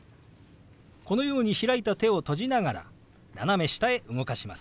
このように開いた手を閉じながら斜め下へ動かします。